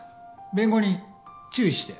弁護人注意して。